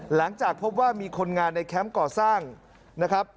หลังจากพบว่ามีคนงานในแคมป์ก่อสร้างนะครับ